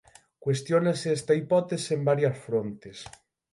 Cuestiónase esta hipótese en varias frontes.